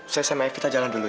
saya sama evita jalan dulu ya